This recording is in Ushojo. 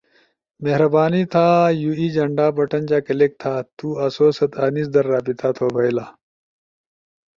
مہربانی تھا یو ای جھنڈا بٹن جا کلک تھا۔ تو آسو ست انیس در رابطہ تھو بئیلا۔۔